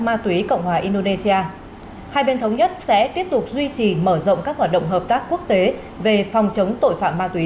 ma túy cộng hòa indonesia hai bên thống nhất sẽ tiếp tục duy trì mở rộng các hoạt động hợp tác quốc tế về phòng chống tội phạm ma túy